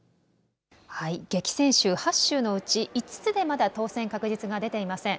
激戦州８州のうち５つでまだ当選確実が出ていません。